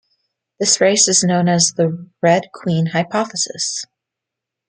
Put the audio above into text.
This race is known as the Red Queen hypothesis.